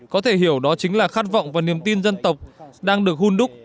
có thể hiểu đó chính là khát vọng và niềm tin dân tộc đang được hun đúc